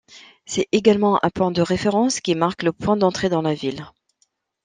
C'est également un point de référence qui marque le point d'entrée dans la ville.